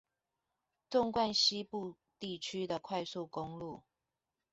縱貫西部地區的快速公路